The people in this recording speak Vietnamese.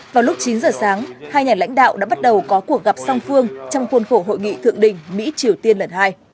vào lúc chín giờ sáng hai nhà lãnh đạo đã bắt đầu có cuộc gặp song phương trong khuôn khổ hội nghị thượng đỉnh mỹ triều tiên lần hai